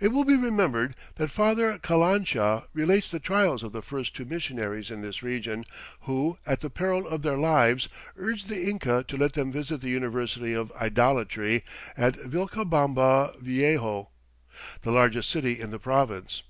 It will be remembered that Father Calancha relates the trials of the first two missionaries in this region, who at the peril of their lives urged the Inca to let them visit the "University of Idolatry," at "Vilcabamba Viejo," "the largest city" in the province.